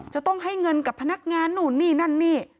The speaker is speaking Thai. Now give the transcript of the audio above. จะต้องให้เงินกับพนักงานนู่นนี่นั่นนี่